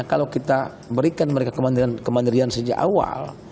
kalau kita berikan mereka kemandirian sejak awal